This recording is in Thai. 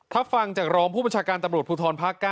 ถ้าฟังจากรองผู้บัญชาการตำรวจภูทรภาค๙